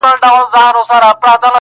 علم انسان هوښیاروي.